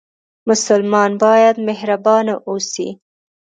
مسلمان باید مهربانه اوسي